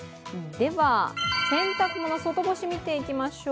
では洗濯物、外干しを見ていきましょう。